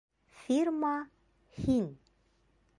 Фирма «һин».